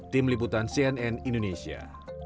tim liputan cnn indonesia